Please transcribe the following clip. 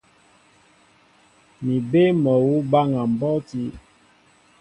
Mi bé mol awǔ baŋa mbɔ́ti.